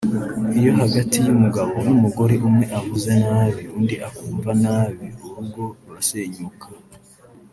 Iyo hagati y’umugabo n’ umugore umwe avuze nabi undi akumva nabi urugo rurasenyuka